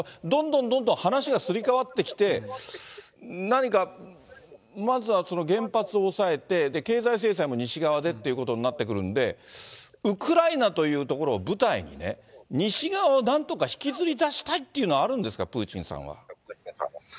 どんどんどんどん話がすり替わってきて、何か、まずは原発を抑えて、経済制裁も西側でっていうことになってくるんで、ウクライナというところを舞台にね、西側をなんとか引きずりだしたいというのがあるんですか？